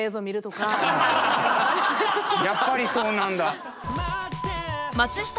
やっぱりそうなんだ。